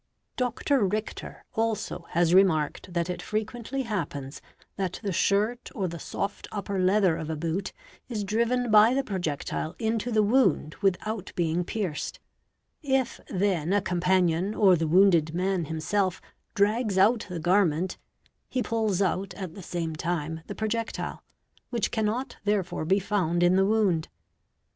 Dr. Richter also has remarked that it frequently happens that the shirt or the soft upper leather of a boot is driven by the projectile into the wound without being pierced, If then a companion or the wounded man himself drags out the garment, he pulls out at the same time the projectile; which cannot therefore be found in the wound.